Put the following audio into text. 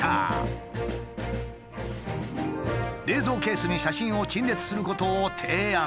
冷蔵ケースに写真を陳列することを提案。